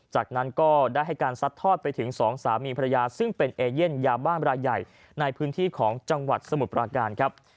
จากนั้นก็ได้ให้การซัดทอดไปถึงสองสามีภรรยาซึ่งเป็นเอเย่นยาบ้านรายใหญ่ในพื้นที่ของจังหวัดสมุทรปราการครับ